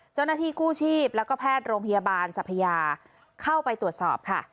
เจ้าหน้าที่กู้ชีพแล้วก็แพทย์โรงพยาบาลสัพยาเข้าไปตรวจสอบค่ะ